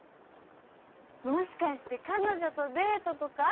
もしかして彼女とデートとか？